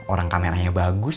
orang kameranya bagus